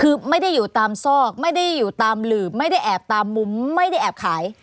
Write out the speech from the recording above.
คือไม่ได้อยู่ตามซอกไม่ได้อยู่ตามหลืมไม่ได้แอบตามมุมไม่ได้แอบขาย